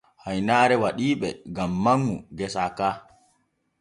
Haynaare waɗii ɓe gam manŋu gesa ka.